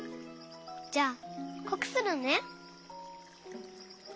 じゃあこくするね！